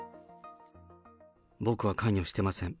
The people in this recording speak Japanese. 僕は関与してません。